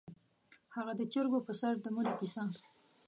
_هغه د چرګو پر سر د مړي کيسه؟